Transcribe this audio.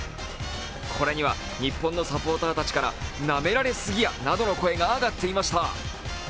これには日本のサポーターたちから、なめられすぎやなどの声が上がっていました。